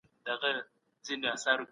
تعقل له بې فکرۍ څخه ډېر غوره دی.